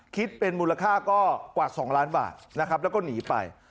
คิดเป็นมูลค่าก็กว่า๒ล้านบาทนะครับแล้วก็หนีไป